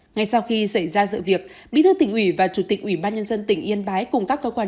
ngay sau khi xảy ra sự việc bí thư tỉnh ủy và chủ tịch ủy ban nhân dân tỉnh yên bái cùng các cơ quan